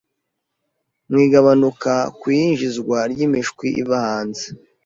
mu kugabanuka kw’iyinjizwa ry’imishwi iva hanze